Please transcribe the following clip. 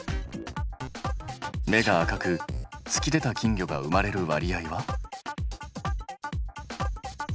目が赤く突き出た金魚が生まれる割合は？